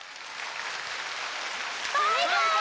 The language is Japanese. バイバイ！